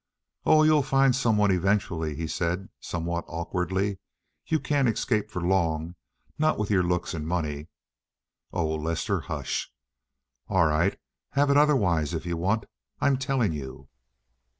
"Oh, you'll find some one eventually," he said, somewhat awkwardly. "You can't escape for long—not with your looks and money." "Oh, Lester, hush!" "All right! Have it otherwise, if you want. I'm telling you."